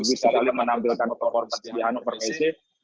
bisa menampilkan otor perjanjian haji zidiano permisi